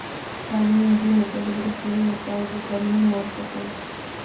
تعلیم نجونو ته د برښنايي وسایلو ترمیم ور زده کوي.